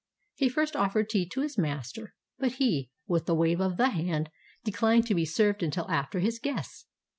He first offered tea to his master, but he, with a wave of the hand, decUned to be served until after his guests.